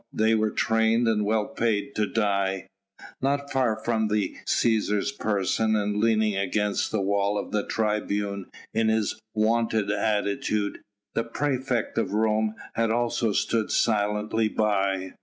they were trained and well paid to die. Not far from the Cæsar's person, and leaning against the wall of the tribune in his wonted attitude, the praefect of Rome had also stood silently by.